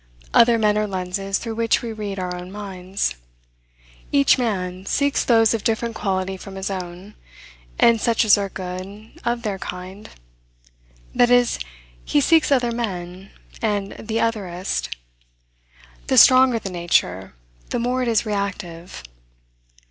Other men are lenses through which we read our own minds. Each man seeks those of different quality from his own, and such as are good of their kind; that is, he seeks other men, and the otherest. The stronger the nature, the more it is reactive.